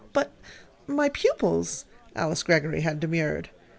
"But my pupils," Alice Greggory had demurred.